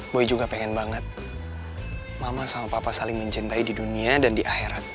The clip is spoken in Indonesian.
boy juga pengen banget mama sama papa saling mencintai di dunia dan di akhirat